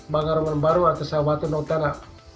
banggaru baru atas sahabatnya otara